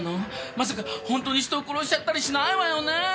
まさか本当に人を殺しちゃったりしないわよねぇ！？